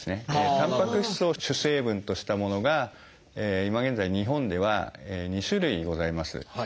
タンパク質を主成分としたものが今現在日本では２種類ございます。